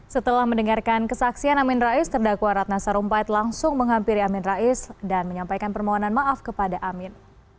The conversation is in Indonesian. setelah mendengarkan kesaksian amin rais terdakwa ratna sarumpait langsung menghampiri amin rais dan menyampaikan permohonan maaf kepada amin